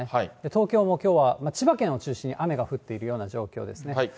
東京もきょうは千葉県を中心に雨が降っているような状況ですね。